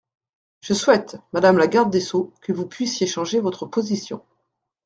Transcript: Je souhaite, madame la garde des sceaux, que vous puissiez changer votre position.